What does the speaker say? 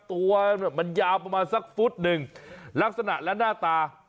ตัวมันยาวประมาณสักฟุตหนึ่งลักษณะและหน้าตา